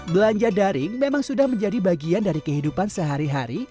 belanja daring memang sudah menjadi bagian dari kehidupan sehari hari